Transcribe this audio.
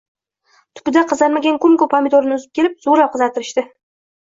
Tupida qizarmagan ko’m-ko’k pomidorni uzib kelib, zo’rlab qizartirishdi.